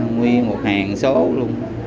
nguyên một hàng số luôn